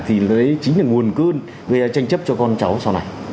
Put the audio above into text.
thì đấy chính là nguồn cơn gây tranh chấp cho con cháu sau này